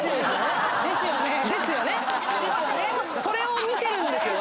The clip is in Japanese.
それを見てるんですよ